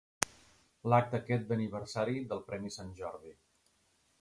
L'acte aquest d'aniversari del premi Sant Jordi.